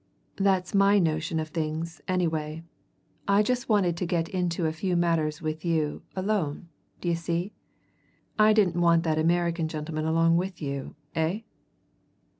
"That's my notion of things, anyway. I just wanted to go into a few matters with you, alone, d'ye see? I didn't want that American gentleman along with you. Eh?"